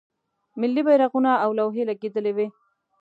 ملی بیرغونه او لوحې لګیدلې وې.